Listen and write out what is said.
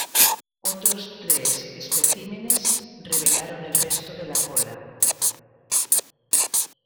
Otros tres especímenes revelaron el resto de la cola.